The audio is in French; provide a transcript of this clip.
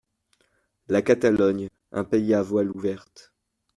La Catalogne : un pays à voiles ouvertes.